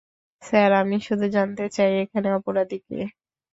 Sir, আমি শুধু জানতে চাই, এখানে অপরাধী কে?